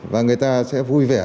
và người ta sẽ vui vẻ